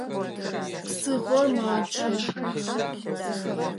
Псыхъор мачъэ.